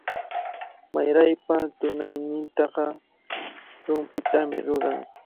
Maraypa tunaynintaqa rumpitami ruran.